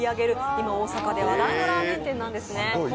今、大阪で話題のラーメン店なんですね。